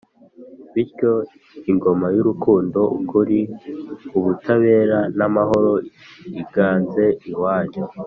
bityo ingoma y’urukundo, ukuri, ubutabera n’amahoro iganze iwanyu